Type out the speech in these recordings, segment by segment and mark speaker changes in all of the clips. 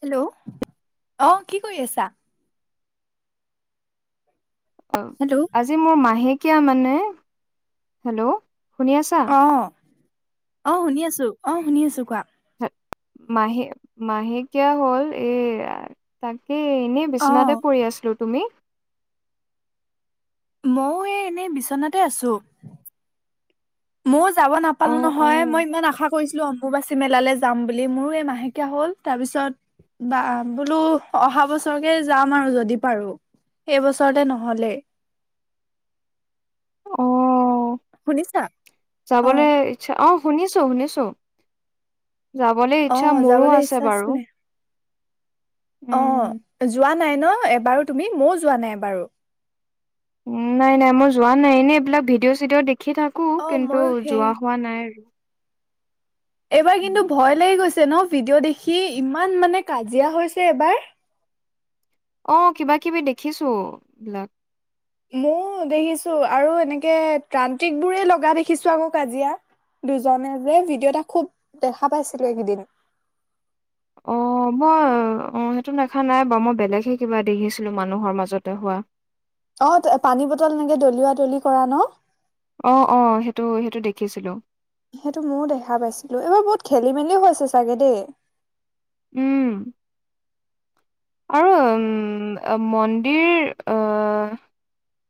Speaker 1: Hello অ' কি কৰি আছা?
Speaker 2: অ'।
Speaker 1: হেল্ল'?
Speaker 2: আজি মোৰ মাহেকীয়া মানে, হেল্ল' শুনি আছা?
Speaker 1: অ', অ' শুনি আছোঁ, অ' শুনি আছোঁ কোৱা?
Speaker 2: হয়। মাহে মাহেকীয়া হ'ল এ তাকে এনে
Speaker 1: অ
Speaker 2: বিচনাতে পৰি আছিলোঁ। তুমি?
Speaker 1: মইও এই এনেই বিচনাতে আছোঁ। ময়ো যাব নাপালো
Speaker 2: অ',
Speaker 1: নহয়,
Speaker 2: অ'।
Speaker 1: মই ইমান আশা কৰিছিলোঁ। অ' অম্বুবাচি মেলালৈ যাম বুলি, মোৰো এই মাহেকীয়া হ'ল। তাৰপিছত বা বোলো অহা বছৰকে যাম আৰু যদি পাৰো। এইবছৰতে নহলেই।
Speaker 2: অ'
Speaker 1: শুনিছা? অ
Speaker 2: যাবলৈ চ্ছা, অ' শুনিছোঁ শুনিছোঁ, যাবলৈ
Speaker 1: অ
Speaker 2: ইচ্ছা মোৰো
Speaker 1: যাবলৈ ইচ্ছা
Speaker 2: আছে বাৰু।
Speaker 1: আছিলে।
Speaker 2: উম,
Speaker 1: অ', যোৱা নাই ন এবাৰু তুমি, মইও যোৱা নাই বাৰু।
Speaker 2: নাই, নাই, মই যোৱা নাই, এনেই এইবিলাক ভিডিঅ' চিডিঅ' দেখি থাকোঁ,
Speaker 1: অ
Speaker 2: কিন্তু
Speaker 1: ময়ো সেই
Speaker 2: যোৱা হোৱা আৰু।
Speaker 1: এইবাৰ কিন্তু ভয় লাগি গৈছে ন ভিডিঅ' দেখি, ইমান মানে কাজিয়া হৈছে এইবাৰ।
Speaker 2: অ', কিবা কিবি দেখিছো এইবিলাক।
Speaker 1: ময়ো দেখিছো, আৰু এনেকে ত্ৰান্ত্ৰিক বোৰহে লগা দেখিছো আকৌ কাজিয়াত। দুজনে যে, ভিডিঅ' এটা খুব দেখা পাইছিলো এইকেইদিন। [inaudible]
Speaker 2: হ'বই, অ', সেইটো দেখা নাই বাৰু, মই বেলেগে কিবা দেখিছিলো, মানুহৰ মাজতে হোৱা।
Speaker 1: অ', তে পানী বটল এনেকে দলিওৱা দলি কৰা ন'।
Speaker 2: অ', অ', সেইটো, সেইটো দেখিছিলোঁ।
Speaker 1: সেইটো ময়ো দেখা পাইছিলো, এইবাৰ বহুত খেলি মেলিও হৈছে চাগে দেই।
Speaker 2: উম। অ', আম আম, মন্দিৰ অ'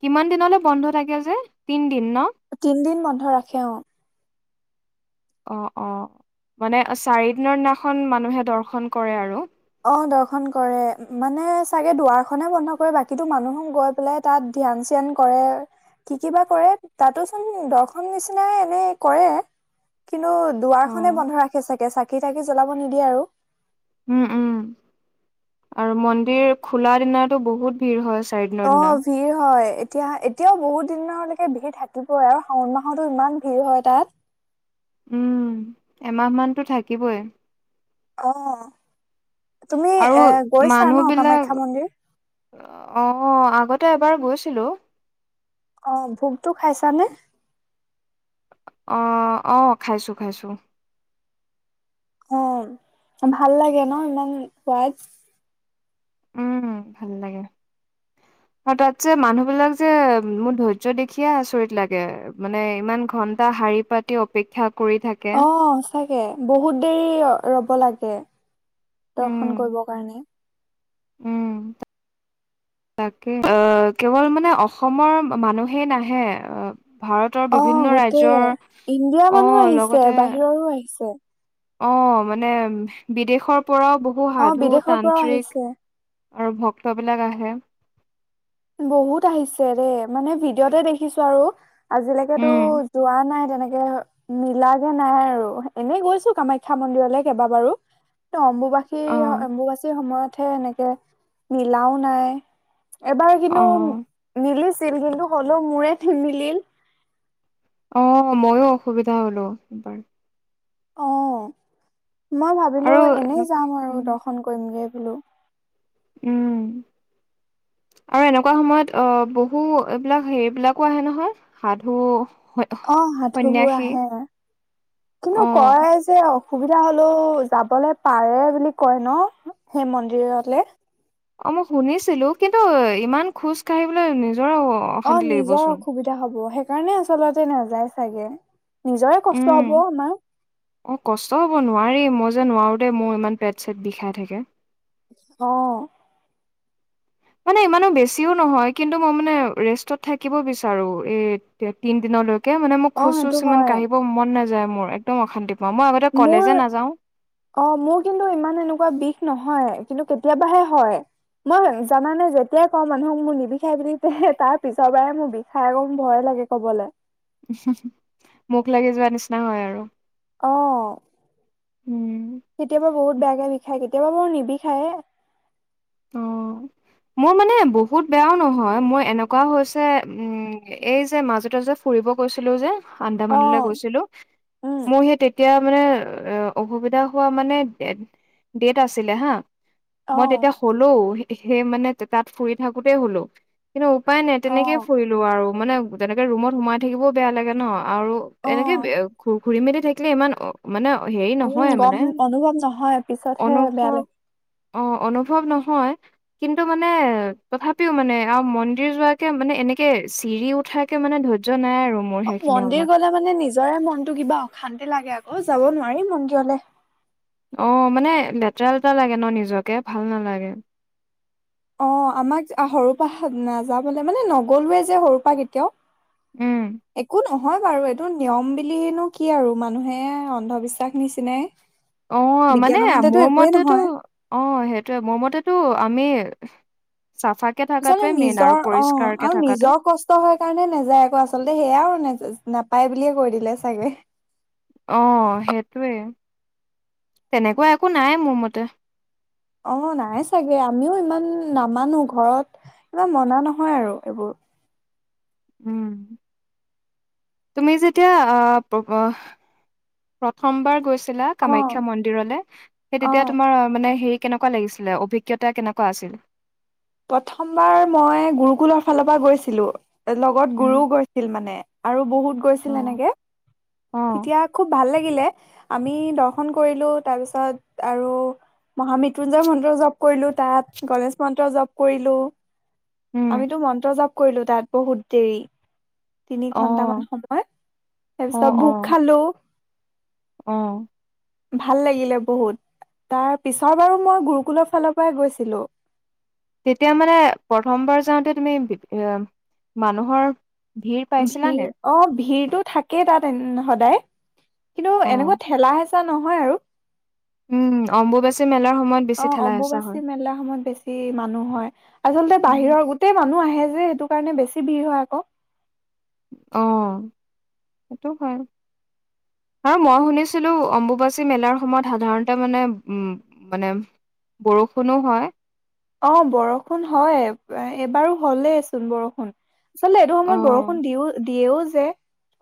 Speaker 2: কিমান দিনলে বন্ধ থাকে যে, তিন দিন ন?
Speaker 1: তিনদিন বন্ধ ৰাখে অ'।
Speaker 2: অ', অ', মানে চাৰিদিনৰ দিনাখন মানুহে দৰ্শন কৰে আৰু।
Speaker 1: অ', দৰ্শন কৰে, মানে চাগে দুৱাৰখনে বন্ধ কৰে, বাকীতো মানুহে গৈ পেলাই তাত ধ্যান-চ্যান কৰে। কি, কি, বা কৰে, তাতো চোন দৰ্শন নিচিনাই এনেই কৰে, কিন্তু দুৱাৰখনেই
Speaker 2: অ',
Speaker 1: বন্ধ ৰাখে চাগে, চাকি-তাকি জ্বলাব নিদিয়ে আৰু।
Speaker 2: উম, উম আৰু মন্দিৰ খোলা দিনাতো বহুত ভিৰ হয় চাইড
Speaker 1: অ', ভিৰ হয়। এতিয়া, এতিয়াও বহুত দিনলৈকে ভিৰ থাকিবই আৰু শাওণ মাহতো ইমান ভিৰ হয় তাত।
Speaker 2: উম, এমাহ মানতো থাকিবই।
Speaker 1: অ', তুমি
Speaker 2: আৰু
Speaker 1: এ, গৈছা
Speaker 2: মানুহ
Speaker 1: ন'
Speaker 2: বিলাক
Speaker 1: কামাখ্যা মন্দিৰ?
Speaker 2: অ', আগতে এবাৰ গৈছিলোঁ।
Speaker 1: অ', ভোগটো খাইছানে?
Speaker 2: অ', অ', খাইছো, খাইছো।
Speaker 1: অ', ভাল লাগে ন', ইমান সোৱাদ।
Speaker 2: উম, ভাল লাগে। আৰু তাত যে মানুহ বিলাক যে, মোৰ ধৈৰ্য দেখিয়ে আচৰিত লাগে। মানে ইমান ঘন্টা শাৰী-পাতি অপেক্ষা কৰি থাক
Speaker 1: অ', সচাঁকে বহুত দেৰি ৰ-ৰ'ব লাগে।
Speaker 2: উম,
Speaker 1: দৰ্শন কৰিব কাৰণে।
Speaker 2: উম। তাকে, অ', কেৱল মানে, অসমৰ মা-মানুহে নাহে অ', ভাৰত তৰ
Speaker 1: অ'
Speaker 2: বিভিন্ন
Speaker 1: গোটেই
Speaker 2: ৰাজ্যৰ অ', লগতে
Speaker 1: তৰো আহিছে।
Speaker 2: অ', মানে বিদেশৰ পৰাও বহু
Speaker 1: অ'
Speaker 2: সাধু,
Speaker 1: বিদেশৰ পৰাও
Speaker 2: তান্ত্ৰিক
Speaker 1: আহিছে
Speaker 2: আৰু ভক্ত বিলাক আহে।
Speaker 1: বহুত আহিছে দেই, মানে ভিডিঅ'তে দেখিছো আৰু। আজিলেকেতো
Speaker 2: উম,
Speaker 1: যোৱা নাই তেনেকে হ মিলাগে নাই আৰু এনেই গৈছো কামাখ্যা মন্দিৰলৈ কেইবাবাৰো। ত', অম্বুবাসী,
Speaker 2: অ',
Speaker 1: অ-অম্বুবাচীৰ সময়তহে এনেকে মিলাও নাই, এবাৰ কিন্তু
Speaker 2: অ',
Speaker 1: মিলি ছিল, কিন্তু হ'লেও মোৰে নিমিলিল।
Speaker 2: অ, ময়ো অসুবিধা হ'লো এবাৰ।
Speaker 1: অ, মই ভাবিলো,
Speaker 2: আৰু
Speaker 1: এনেই
Speaker 2: এনেকুৱা
Speaker 1: যাম আৰু
Speaker 2: উম
Speaker 1: দৰ্শন কৰিমগে বোলো।
Speaker 2: উম। আৰু এনেকুৱা সময়ত অ, বহু এইবিলাক হেৰিবিলাকো আহে নহয়। সাধু, স
Speaker 1: অ, সাধুবোৰ আহে, কিন্তু
Speaker 2: অ
Speaker 1: [unintelligible] যে অসুবিধা হ'লেও, যাবলে পাৰে বুলি কয় ন, সেই মন্দিৰলে।
Speaker 2: অ মই শুনিছিলো, কিন্তু ইমান খোজ কাঢ়িবলৈ নিজৰ
Speaker 1: অ, নিজৰ অসুবিধা অসুবিধা হ'ব, সেইকাৰণে আচলতে নাযায় চাগে, নিজৰে
Speaker 2: উম
Speaker 1: কষ্ট হ'ব। [unintelligible]
Speaker 2: অ, কষ্ট হ'ব নোৱাৰিম, মই যে নোৱাৰোঁ দেই, মোৰ ইমান পেট-চেট বিষাই থাকে।
Speaker 1: অ।
Speaker 2: মানে ইমানো বেছিও নহয়, কিন্তু মই মানে ৰেষ্টত থাকিব বিচাৰো, এই তিন দিনলৈ। তাকে মানে, মোৰ
Speaker 1: অ সেইটো
Speaker 2: খোজ-চোজ ইমান
Speaker 1: হয়
Speaker 2: কাঢ়িব মন নাযায় মোৰ। একদম অশান্তি পাওঁ, মই আগতে
Speaker 1: মোৰ
Speaker 2: কলেজে নাযাওঁ।
Speaker 1: অ, মোৰ কিন্তু ইমান এনেকুৱা বিষ নহয়, কিন্তু কেতিয়াবাহে হয়। মই জানা নে, যেতিয়াই কওঁ মানুহক মোৰ নিবিষাই বুলি, তে, তাৰ পিছৰ বাৰে মোৰ বিষ ষাই, মোৰ ভয়ে লাগে ক'বলৈ।
Speaker 2: মুখ লাগি যোৱা নিচিনা হয় আৰু।
Speaker 1: অ।
Speaker 2: উম।
Speaker 1: কেতিয়াবা বহুত বেয়াকে বিষায়, কেতিয়াবা বাৰু নিবিষায়ে।
Speaker 2: অ'।
Speaker 1: [inaudible]
Speaker 2: মোৰ মানে বহুত বেয়াও নহয়, মোৰ এনেকুৱাও হৈছে, উম, এই যে মাজতে যে ফুৰিব গৈছিলো যে,
Speaker 1: অ
Speaker 2: আন্দামানলৈ গৈছিলো,
Speaker 1: উম
Speaker 2: মই হে তেতিয়া তেতিয়া মানে অসুবিধা হোৱা মানে ডে-ডেট আছিলে হা!
Speaker 1: অ
Speaker 2: মই তেতিয়া হ'লো, সেই মানে তাত ফুৰি থাকোতেই হ'লো। কিন্তু উপায় নাই,
Speaker 1: অ
Speaker 2: তেনেকেই ফুৰিলো আৰু, মানে তেনেকে ৰুমত সোমাই থাকিবও বেয়া লাগে ন। আৰু
Speaker 1: অ
Speaker 2: এনেকে ঘূৰি-মেলি থাকিলে ইমান মানে হেৰি
Speaker 1: উম
Speaker 2: নহয়েই
Speaker 1: গম
Speaker 2: মানে,
Speaker 1: অনুভৱ নহয় পিছতহে বেয়া লাগে
Speaker 2: অনুভৱ অ, অনুভৱ নহয়। কিন্তু মানে, তথাপিও মানে, আৰু মন্দিৰ যোৱাকে মানে এনেকে চিৰি উঠাই কে মানে ধৰ্য্য নাই আৰু মোৰ।
Speaker 1: অ,
Speaker 2: সেইখিনি
Speaker 1: মন্দিৰ
Speaker 2: সময়ত।
Speaker 1: গ'লে মানে, নিজৰে মনটো কিবা অশান্তি লাগে আকৌ, যাব নোৱাৰি মন্দিৰলৈ।
Speaker 2: অ, মানে লেতেৰা-লেতেৰা লাগে ন নিজকে, ভাল নালাগে।
Speaker 1: অ, আমাক সৰুৰ পৰা নাযাবলৈ, মানে নগ'লোৱে যে সৰুৰ পৰা কেতিয়াও।
Speaker 2: উম,
Speaker 1: একো নহ নহয় বাৰু! এইটো নিয়ম বুলিনো কি আৰু, মানুহে অন্ধবিশ্বাস নিচিনাই।
Speaker 2: অ, মানে
Speaker 1: বিজ্ঞানৰ মতেতো
Speaker 2: মোৰ
Speaker 1: একোৱেই
Speaker 2: মতেটো
Speaker 1: নহয়।
Speaker 2: অ, সেইটোৱে, মোৰ মতেটো আমি চাফা
Speaker 1: আচলতে, নিজৰ অ আৰু নিজৰ কষ্ট কষ্ট হয় কাৰণে নাযায়, আকৌ আচলতে সেয়াও ন নাপায় বুলিয়ে কৈ দিলে চাগে।
Speaker 2: অ, সেইটোৱে, তেনেকুৱা একো নাই, মোৰ মতে।
Speaker 1: অ, নাই চাগে, আমিও ইমান নামানো, ঘৰত ইমান মনা নহয় আৰু এইবোৰ।
Speaker 2: উম্, তুমি যেতিয়া অ', প্ৰথমবাৰ গৈছি লা
Speaker 1: অ
Speaker 2: কামাখ্যা মন্দিৰলে, সেই
Speaker 1: অ
Speaker 2: তেতিয়া তোমাৰ মানে সেই কেনেকুৱা লাগিছিলে, অভিজ্ঞতা কেনেকুৱা আছিল।
Speaker 1: প্ৰথমবাৰ মই গুৰুকুলৰ ফালৰ পৰা গৈছিলোঁ, লগত গুৰুও
Speaker 2: উম।
Speaker 1: গৈছিল মানে। আৰু বহুত
Speaker 2: অ
Speaker 1: গৈছিল এনেকে, তেতিয়া খুব ভাল লাগিলে। আমি দৰ্শন কৰিলোঁ, তাৰপিছত আৰু মহা মৃত্যুঞ্জয় মন্ত্ৰ জপ কৰিলোঁ তাত, গনেশ মন্ত্ৰ জপ কৰিলোঁ,
Speaker 2: উম
Speaker 1: আমিতো মন্ত্ৰ জপ কৰিলো তাত বহুত দেৰি। তিনি
Speaker 2: অ
Speaker 1: ঘন্টামান সময়,
Speaker 2: অ
Speaker 1: তাৰপিছত
Speaker 2: অ
Speaker 1: ভোগ খালোঁ।
Speaker 2: অ',
Speaker 1: ভাল লাগিলে বহুত, তাৰ পিছৰ বাৰু মই গুৰুকুলৰ ফালৰ পৰাই গৈছিলোঁ।
Speaker 2: তেতিয়া মানে প্ৰথমবাৰ যাওঁতে তুমি, এ মানুহৰ ভিৰ পাইছিলা নে?
Speaker 1: অ'ভিৰটো থাকেই তাত সদায়, কিন্তু
Speaker 2: অ
Speaker 1: এনেকুৱা ঠেলা-হেচা হেঁচা নহয় আৰু।
Speaker 2: উম্, অম্বুবাচী মেলাৰ সময়ত বেছি ঠেলা হেঁচা
Speaker 1: অ'অম্বুবাচী
Speaker 2: হয়।
Speaker 1: মেলা সময়ত বেছি বেছি মানুহ হয়, আচলতে
Speaker 2: উম,
Speaker 1: বাহিৰৰ গোটেই মানুহ আহে যে, সেইটো কাৰণে বেছি ভিৰ হয় আকৌ।
Speaker 2: অ', সেইটো হয়। আৰু মই শুনিছিলোঁ, অম্বুবাচী মেলাৰ সময়ত সাধাৰণতে মানে উম্ মানে বৰষুণো হয়।
Speaker 1: অ', বৰষুণ হয়, এইবাৰো হ'লেইচোন বৰষুণ। আচলতে এইটো
Speaker 2: অ
Speaker 1: সময়ত বৰষুণ দিও, দিয়েও যে।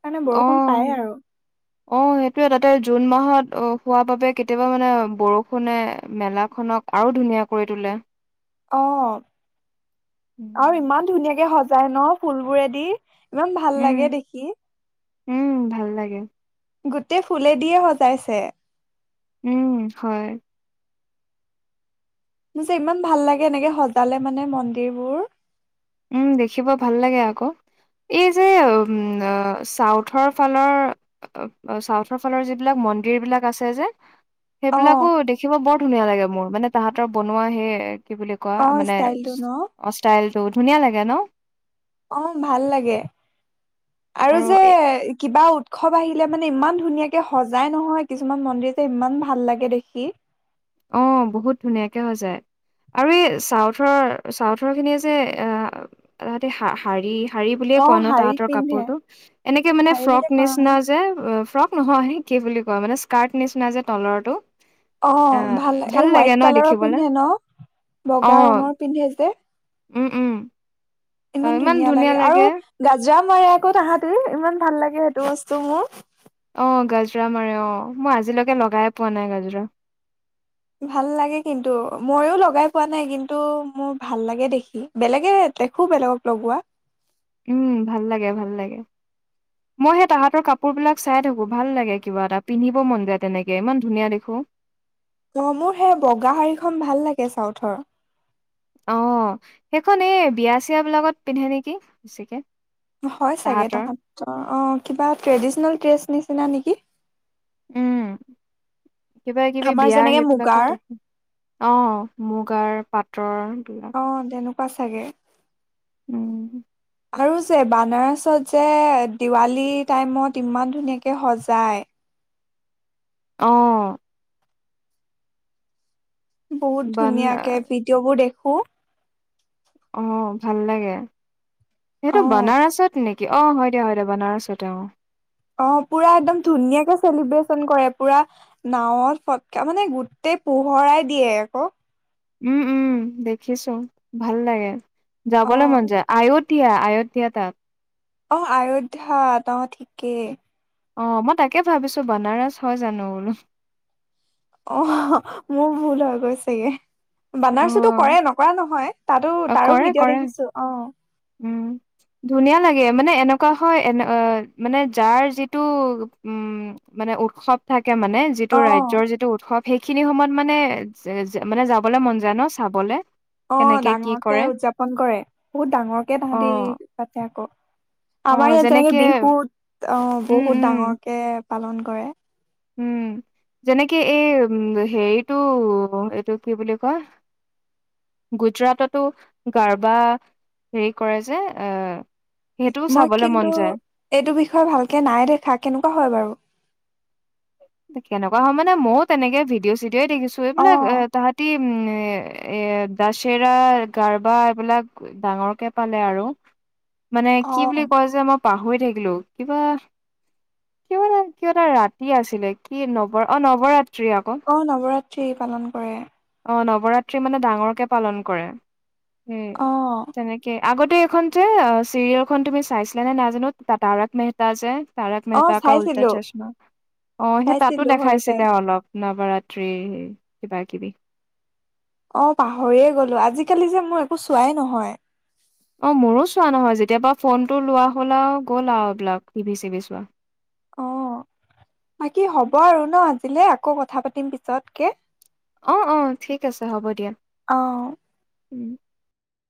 Speaker 1: কাৰণে বৰষুণ পায় আৰু
Speaker 2: অ', অ', সেইটোয়ে, তাতে জুন মাহত অহ্ হোৱা বাবে কেতিয়াবা মানে বৰষুণে মেলা খনক আৰু ধুনীয়া কৰি তোলে।
Speaker 1: অ', আৰু
Speaker 2: উম
Speaker 1: ইমান ধুনীয়াকে সজাই ন ফুলবোৰেদি। ইমান ভাল লাগে দেখি।
Speaker 2: উম্, ভাল লাগে।
Speaker 1: গোটেই ফুলে দিয়ে সজাইছে।
Speaker 2: উম্, হয়‌।
Speaker 1: মোৰ যে ইমান ভাল লাগে, এনেকে সজালে মানে মন্দিৰ বোৰ।
Speaker 2: উম্, দেখিব ভাল লাগে আকৌ। এই যে উম্, অ'চাউথৰ ফালৰ অ', চাউথৰ ফালৰ যিবিলাক মন্দিৰ বিলাক আছে যে।
Speaker 1: অ
Speaker 2: সেইবিলাকো দেখিব বৰ ধুনীয়া লাগে মোৰ, মানে তাহাঁতৰ বনোৱা সেই কি বুলি কয়,
Speaker 1: অ
Speaker 2: মানে
Speaker 1: ষ্টাইলটো ন
Speaker 2: অ', স্তাইলটো ধুনীয়া লাগে ন!
Speaker 1: অ', ভাল লাগে, আৰু যে কিবা উৎসৱ উৎসৱ আহিলে মানে ইমান ধুনীয়াকে সজাই নহয়, কিছুমান মন্দিৰ যে ইমান ভাল লাগে দেখি।
Speaker 2: অ', বহুত ধুনীয়াকে সজায়। আৰু এই চাউথৰ, চাউথৰ খিনিয়ে যে অ' তাহতে শাৰী শাৰী বুলিয়ে
Speaker 1: অ
Speaker 2: কয় ন,
Speaker 1: শাৰী
Speaker 2: তাহাঁতৰ
Speaker 1: পিন্ধে
Speaker 2: কাপোৰটো! এনেকে মানে
Speaker 1: শাৰী বুলি
Speaker 2: ফ্ৰক
Speaker 1: কয় ন?
Speaker 2: নিচিনা যে ফ্ৰক নহয়, কি বুলি কয় মানে স্কাৰ্ট নিচিনা যে তলৰতো।
Speaker 1: অ', ভাল লাগে, হোৱাইট কালাৰৰ
Speaker 2: দেখিবলে
Speaker 1: পিন্ধে ন', বগা ৰঙৰ পিন্ধে যে।
Speaker 2: উম্, উম্।
Speaker 1: ইমান ধুনীয়া লাগে আৰু, গাজৰা মাৰে আকৌ তাহাঁতি ইমান ভাল লাগে সেইটো বস্তু মোক।
Speaker 2: অ', গাজৰা মাৰে অ', মই আজিলৈকে লগাই পোৱা নাই গাজৰা।
Speaker 1: ভাল লাগে কিন্তু, ময়ো লগাই পোৱা নাই, কিন্তু মোৰ ভাল লাগে দেখি। বেলেগে দেখো বেলেগক লগোৱা।
Speaker 2: উম ভাল লাগে, ভাল লাগে।
Speaker 1: [inaudible]
Speaker 2: মই সেই তাহাঁতৰ কাপোৰ বিলাক চাই থাকো, ভাল লাগে কিবা এটা, পিন্ধিব মন যায় তেনেকে, ইমান ধুনীয়া দেখো।
Speaker 1: অ', মোৰ সেই বগা শাৰীখন ভাল লাগে চাউথৰ।
Speaker 2: অ', সেইখন এই বিয়া চিয়া বিলাকত পিন্ধে নেকি বেছিকে।
Speaker 1: হয় চাগে,
Speaker 2: তাহাঁতৰ
Speaker 1: তাহঁতৰ অ', কিবা ট্ৰেডিচনেল ড্ৰেছ নিচিনা নেকি।
Speaker 2: উম, কিবা কিবি
Speaker 1: আমাৰ
Speaker 2: বিয়াৰ
Speaker 1: যেনেকে মুগাৰ
Speaker 2: সেইবিলাকতে অ', মূগাৰ পাটৰ।
Speaker 1: অ', তেনেকুৱা চাগে।
Speaker 2: উম,
Speaker 1: আৰু যে বানাৰছত যে দিৱালী টাইমত ইমান ধুনীয়াকে সজায়।
Speaker 2: অ'।
Speaker 1: বহুত
Speaker 2: বান
Speaker 1: ধুনীয়াকে ভিডিঅ' বোৰ দেখো।
Speaker 2: অ', ভাল লাগে, সেটো
Speaker 1: অ
Speaker 2: বনাৰছত নেকি? অ', হয় দে, হয় দে, বনাৰছত অ'।
Speaker 1: অ' পুৰা একদম ধুনীয়াকে চেলিব্ৰেচন কৰে, পোৰা নাৱত ফটকা, মানে গোটেই পোহৰাই দিয়ে আকৌ'।
Speaker 2: উম' উম' দেখিছোঁ ভাল লাগে,
Speaker 1: অ
Speaker 2: যাবলৈ মন যায়। আইয়তিয়া, আইয়তিয়া তাত।
Speaker 1: অ', আয়োধ্যা, অ' ঠিকেই।
Speaker 2: অ', মই তাকে ভাবিছোঁ, বনাৰস হ'য় জানো বোলোঁ।
Speaker 1: অ', মোৰ ভুল হৈ গৈছেগে। বানাৰছোতো
Speaker 2: অ',
Speaker 1: ক'ৰে নকৰা নহ'য় তাতো, তাৰো
Speaker 2: কৰে
Speaker 1: ভিডিঅ'
Speaker 2: কৰে
Speaker 1: দেখিছো অ'।
Speaker 2: উম। ধুনীয়া লাগে মানে, এনেকুৱা হ'য় এনে মানে যাৰ যিটো উম' মানে উৎসৱ থাকে মানে,
Speaker 1: অ
Speaker 2: যিটো ৰাজ্যৰ যিটো উৎসৱ সেইখিনি সময়ত মানে, য, য মানে যাবলৈ মন যায় ন' চাবলে।
Speaker 1: অ',
Speaker 2: কেনেকে কি
Speaker 1: ডাঙৰকে
Speaker 2: কৰে
Speaker 1: উদযাপন কৰে, বহুত ডাঙৰকে
Speaker 2: অ
Speaker 1: তাহাঁতি পাতে আকৌ'। আমাৰ ইয়াত যেনেকে বিহুত, আহ'
Speaker 2: উম
Speaker 1: বহুত
Speaker 2: উম
Speaker 1: ডাঙৰকে পালন কৰে।
Speaker 2: উম', যেনেকে এই উম হেৰিটো এইটো কি বুলি কয় গুজৰাটতো, গাৰ্বা, হেৰি কৰে যে সেইটোও
Speaker 1: মই
Speaker 2: চাবলে মন
Speaker 1: কিন্তু,
Speaker 2: যায়
Speaker 1: এইটো বিষয়ে ভালকে নাই দেখা কেনেকুৱা হয় বাৰু।
Speaker 2: কেনেকুৱা হয় মানে, ময়ো তেনেকে ভিডিঅ' চিডিঅই দেখিছোঁ
Speaker 1: অ
Speaker 2: এইবিলাক এ তাহাঁতি উম' এ দাচেৰা, গাৰ্বা এইবিলাক ডাঙৰকে পাতে আৰু, মানে
Speaker 1: অ
Speaker 2: কি বুলি কয় যে মই পাহৰি থাকিলোঁ, কিবা কিবা এ কিবা এটা ৰাতি আছিলে। কি নৱ অ' নৱৰাত্ৰি আকৌ।
Speaker 1: অ', নৱৰাত্ৰি পালন কৰে।
Speaker 2: অ', নৱৰাত্ৰি মানে ডাঙৰকে পালন কৰে, উম'
Speaker 1: অ
Speaker 2: তেনেকে আগতে, এইখন যে চিৰিয়েলখন তুমি চাইছিলা নে নাজানো, তা তাৰগ মেহতা যে। তাৰক
Speaker 1: অ
Speaker 2: মেহতা কা উল্টা
Speaker 1: চাইছিলো
Speaker 2: চশমা, অ' সেই তাতো
Speaker 1: চাইছিলো সৰুতে
Speaker 2: দেখাইছিলে অলপ। নৱৰাত্ৰি, কিবা কিবি।
Speaker 1: অ' পাহৰিয়ে গলোঁ। আজিকালি যে মোৰ একো চোৱাই নহয়।
Speaker 2: অ' মোৰো চোৱা নহয়। যেতিয়াবা ফোন টো লোৱা হ'ল আৰু গ'ল আৰু এইবিলাক টিভি চিভি চোৱা
Speaker 1: অ' বাকী হ'ব আৰু ন আজিলৈ আকৌ কথা পাতিম পিছতকে।
Speaker 2: অ' অ' ঠিক আছে হ'ব দিয়া।
Speaker 1: অ'
Speaker 2: উম